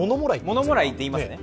ものもらいって言いますね。